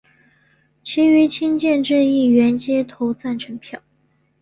其余亲建制议员皆投赞成票。